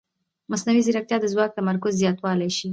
مصنوعي ځیرکتیا د ځواک تمرکز زیاتولی شي.